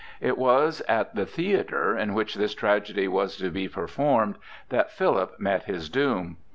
It was at the theatre, in which this tragedy was to be performed, that Philip met his doom.